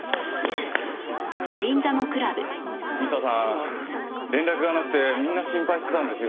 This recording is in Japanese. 美沙さん連絡がなくてみんな心配してたんですよ。